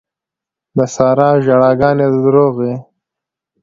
د سارا ژړاګانې دروغ وې.